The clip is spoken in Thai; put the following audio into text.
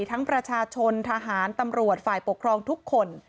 ทั้งประชาชนทหารตำรวจฝ่ายปกครองทุกคน